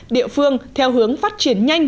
địa phương theo hướng phát triển nhanh